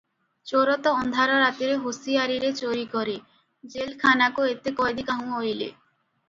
ଚୋର ତ ଅନ୍ଧାର ରାତିରେ ହୁସିଆରୀରେ ଚୋରି କରେ, ଜେଲଖାନାକୁ ଏତେ କଏଦୀ କାହୁଁ ଅଇଲେ?